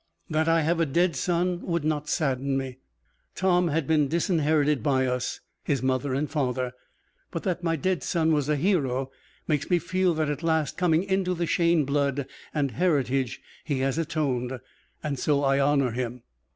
"That I have a dead son would not sadden me. Tom had been disinherited by us, his mother and father. But that my dead son was a hero makes me feel that at last, coming into the Shayne blood and heritage, he has atoned. And so I honour him.